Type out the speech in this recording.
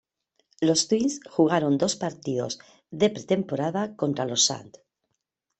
Los Twins jugaron dos partidos de pretemporada contra los St.